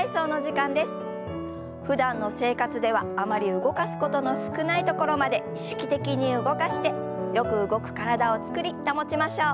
ふだんの生活ではあまり動かすことの少ないところまで意識的に動かしてよく動く体を作り保ちましょう。